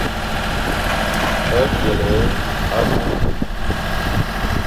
Byelé abukh.